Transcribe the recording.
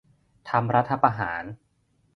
ทำรัฐประหาร